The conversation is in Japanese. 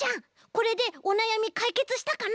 これでおなやみかいけつしたかな？